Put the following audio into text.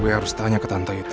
gue harus tanya ke tante itu